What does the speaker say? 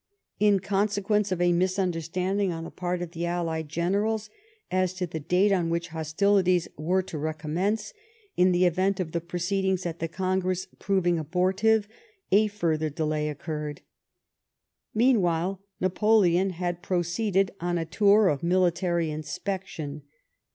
In consequence of a misunderstanding on the part of the allied generals as to the date on which hostilities were to reconnnence in the event of the proceedings at the Congress proving abortive, a further delay occurred. j^Teanwhile Napoleon had pro ceeded on a tour of military inspection.